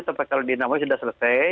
tapi kalau di indramayu sudah selesai